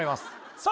さあ